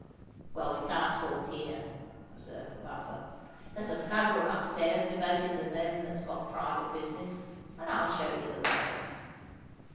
"Well, we can't talk here," observed the Buffer. "There's a snug room up stairs devoted to them that's got private business: and I'll show you the way."